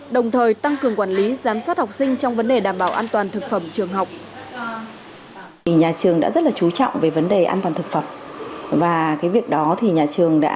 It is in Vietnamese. đồng thời tăng cường quản lý giám sát học sinh trong vấn đề đảm bảo an toàn thực phẩm trường học